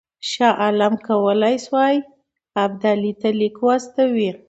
شاه عالم کولای شي ابدالي ته لیک واستوي.